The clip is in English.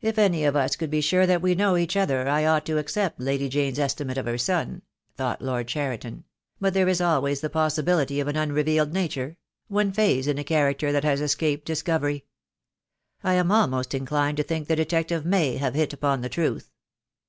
"If any of us could be sure that we know each other I ought to accept Lady Jane's estimate of her son," thought Lord Cheriton; "but there is always the pos THE DAY WILL COME. I I O, sibility of an unrevealed nature — one phase in a character that has escaped discovery. I am almost inclined to think the detective may have hit upon the truth.